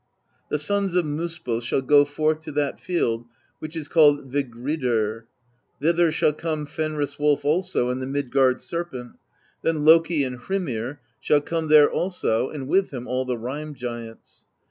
The Sons of Miispell shall go forth to that field which is called Vigridr; thither shall come Fenris Wolf also and the Midgard Serpent; then Loki and Hrymr shall come there also, and with him all the Rime Giants.